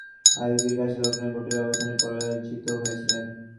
তিনি city corporation নির্বাচনে আইভীর কাছে লক্ষাধিক ভোটের ব্যবধানে পরাজিত হয়েছিলেন।